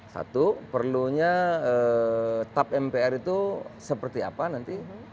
satu perlunya tap mpr itu seperti apa nanti